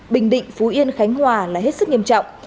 bình định phú yên khánh hòa là hết sức nghiêm trọng